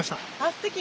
すてき。